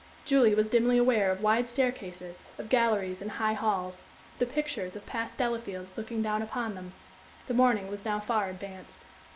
Julie was dimly aware of wide staircases, of galleries and high halls, of the pictures of past Delafields looking down upon them. The morning was now far advanced.